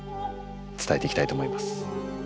伝えていきたいと思います。